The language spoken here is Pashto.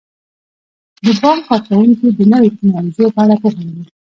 د بانک کارکوونکي د نویو ټیکنالوژیو په اړه پوهه لري.